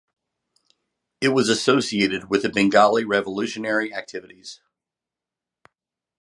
It was associated with the Bengali revolutionary activities.